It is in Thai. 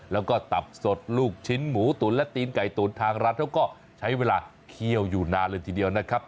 แล้วก็ตับสดลูกชิ้นหมูตุ๋นและตีนไก่ตุ๋นทางร้านเขาก็ใช้เวลาเคี่ยวอยู่นานเลยทีเดียวนะครับ